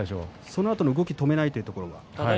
そのあとの動きを止めないというところは。